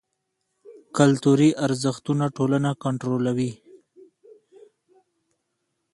کلتوري ارزښتونه ټولنه کنټرولوي.